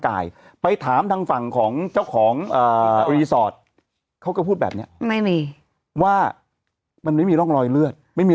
กายไปถามทางฝั่งของเจ้าของรีสอร์ทเขาก็พูดแบบเนี้ยไม่มีว่ามันไม่มีร่องรอยเลือดไม่มี